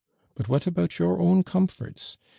But what about yoiu own comforts?